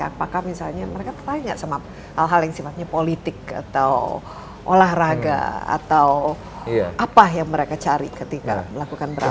apakah misalnya mereka tertanya sama hal hal yang sifatnya politik atau olahraga atau apa yang mereka cari ketika melakukan berapa